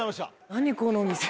何この店。